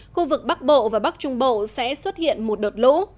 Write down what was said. khu vực bắc bộ và bắc trung bộ sẽ xuất hiện một đợt lũ